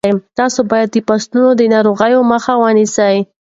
تاسو باید د فصلونو د ناروغیو مخه ونیسئ.